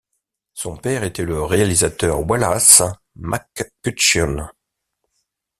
Son père était le réalisateur Wallace McCutcheon.